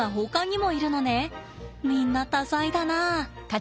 みんな多才だな。